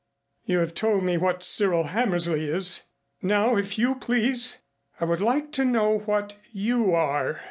"You have told me what Cyril Hammersley is. Now if you please I would like to know what you are!"